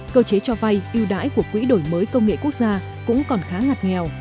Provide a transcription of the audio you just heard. cơ chế cho vay ưu đãi của quỹ đổi mới công nghệ quốc gia cũng còn khá ngặt nghèo